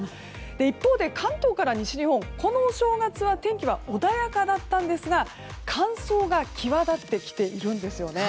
一方で、関東から西日本このお正月は天気は穏やかだったんですが乾燥が際立ってきているんですよね。